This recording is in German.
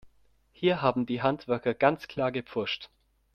Hier haben die Handwerker ganz klar gepfuscht.